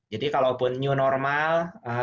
jadi kalaupun new normal